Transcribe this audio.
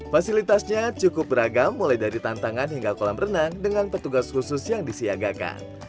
fasilitasnya cukup beragam mulai dari tantangan hingga kolam renang dengan petugas khusus yang disiagakan